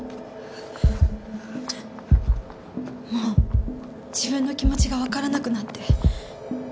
もう自分の気持ちがわからなくなって。